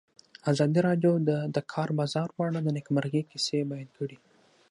ازادي راډیو د د کار بازار په اړه د نېکمرغۍ کیسې بیان کړې.